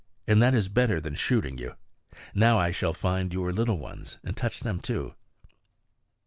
And that is better than shooting you. Now I shall find your little ones and touch them too."